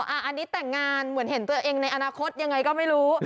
อันนี้แต่งงานเหมือนเห็นตัวเองในอนาคตยังไงก็ไม่รู้